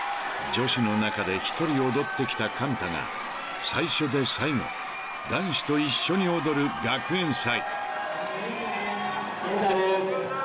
［女子の中で一人踊ってきた寛太が最初で最後男子と一緒に踊る学園祭］